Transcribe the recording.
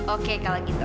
oke kalau gitu